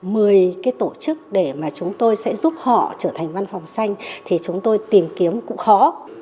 mười cái tổ chức để mà chúng tôi sẽ giúp họ trở thành văn phòng xanh thì chúng tôi tìm kiếm cũng khó